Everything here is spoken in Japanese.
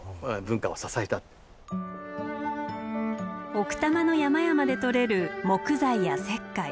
奥多摩の山々で採れる木材や石灰。